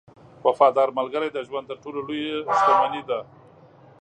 • وفادار ملګری د ژوند تر ټولو لوی شتمنۍ ده.